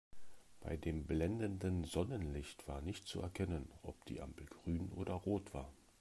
Bei dem blendenden Sonnenlicht war nicht zu erkennen, ob die Ampel grün oder rot war.